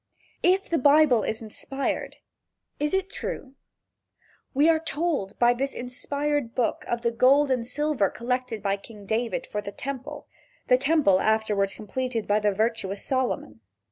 If the Bible is inspired, is it true? We are told by this inspired book of the gold and silver collected by King David for the temple the temple afterward completed by the virtuous Solomon.